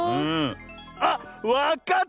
あっわかった！